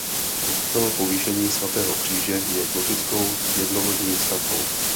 Kostel Povýšení svatého Kříže je gotickou jednolodní stavbou.